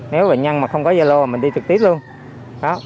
nếu bệnh nhân mà không có gia lô mà mình đi trực tiếp luôn